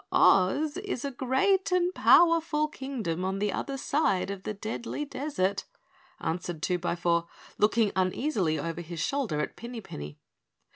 "Oz is a great and powerful Kingdom on the other side of the Deadly Desert," answered Twobyfour, looking uneasily over his shoulder at Pinny Penny.